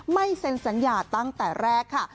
เซ็นสัญญาตั้งแต่แรกค่ะ